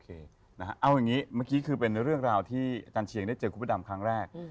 เอาอย่างนี้เมื่อกี้คือเป็นเรื่องราวที่อาจารย์เชียงได้เจอคุณพระดำครั้งแรก